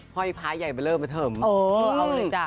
ห้อยพ้ายใหญ่เบลอเติมเออเอาเลยจ้ะ